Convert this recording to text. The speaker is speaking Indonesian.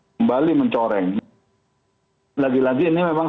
kembali mencoreng lagi lagi ini memang